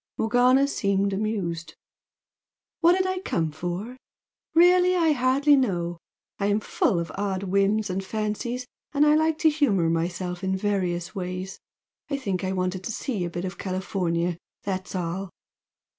Morgana seemed amused. "What did I come for? Really, I hardly know! I am full of odd whims and fancies, and I like to humour myself in my various ways. I think I wanted to see a bit of California, that's all!"